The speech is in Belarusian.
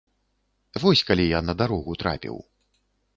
Вось калі я на дарогу трапіў.